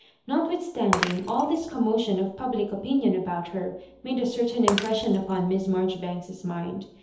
Notwithstanding, all this commotion of public opinion about hw made a certain impression upon Miss M«ij<»ibank8's mind.